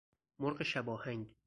مرغ شب آهنگ